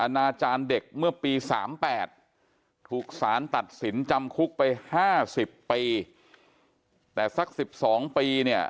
นาจารย์เด็กเมื่อปี๓๘ถูกสารตัดสินจำคุกไป๕๐ปีแต่สัก๑๒ปีเนี่ย